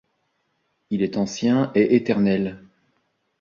Il est ancien et éternel.